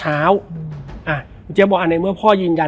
แล้วสักครั้งหนึ่งเขารู้สึกอึดอัดที่หน้าอก